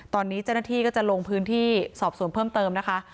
ตอนนี้เจ้าหน้าที่ก็จะลงพื้นที่สอบสวนเพิ่มเติมนะคะ